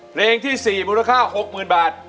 เพลงที่สี่มูลค่าหกหมื่นบาท